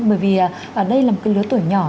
bởi vì đây là một cái lứa tuổi nhỏ